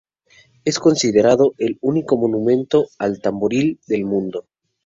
Es considerado el único monumento al tamboril del mundo.